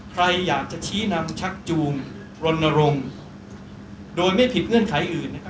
ใครอยากจะชี้นำชักจูงรณรงค์โดยไม่ผิดเงื่อนไขอื่นนะครับ